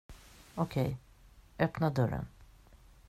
Okej, öppna dörren.